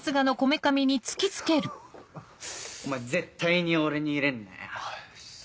お前絶対に俺に入れんなよ。